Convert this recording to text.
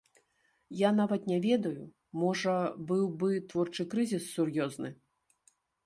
Я нават не ведаю, можа, быў бы творчы крызіс сур'ёзны.